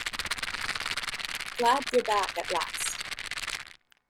Glad you're back at last.